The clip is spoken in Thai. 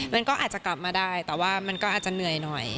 มันก็อาจจะกลับมาได้แต่ว่ามันก็อาจจะเหนื่อยหน่อย